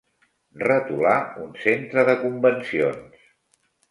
Retolar un centre de convencions.